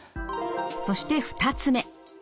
そして２つ目。